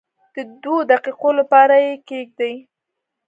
د دوو دقیقو لپاره یې کښېږدئ.